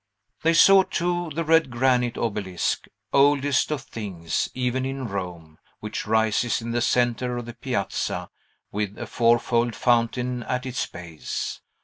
They saw, too, the red granite obelisk, oldest of things, even in Rome, which rises in the centre of the piazza, with a fourfold fountain at its base.